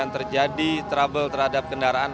terjadi trouble terhadap kendaraan